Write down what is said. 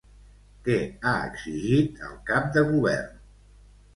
Què ha exigit al cap de govern?